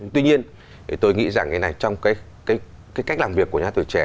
tuy nhiên tôi nghĩ rằng cái này trong cái cách làm việc của nhà hát tuổi trẻ